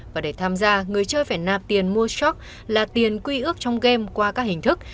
và để tham gia người chơi phải nạp tiền mua shock là tiền quy ước trong game qua các hình thức